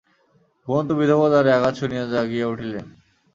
ঘুমন্ত বিধবা দ্বারে আঘাত শুনিয়া জাগিয়া উঠিলেন।